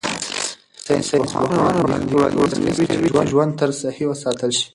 ساینسپوهان وړاندیز کوي چې ژوند طرز صحي وساتل شي.